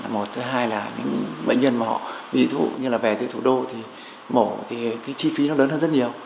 một thứ hai là những bệnh nhân mà họ bị dị tụ như là về từ thủ đô thì mổ thì cái chi phí nó lớn hơn rất nhiều